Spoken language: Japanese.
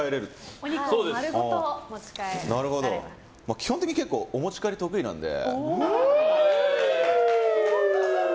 基本的に結構お持ち帰り得意なので。